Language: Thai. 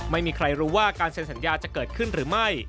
ไม่มีใครรู้ว่าการเซ็นสัญญาจะเกิดขึ้นหรือไม่